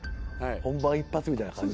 本番一発みたいな感じ。